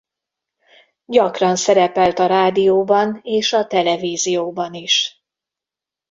Gyakran szerepelt a rádióban és a televízióban is.